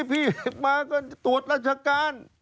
ปี้มาก้นดูอธิบัตรราชการ